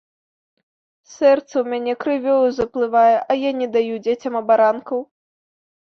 Сэрца ў мяне крывёю заплывае, а я не даю дзецям абаранкаў.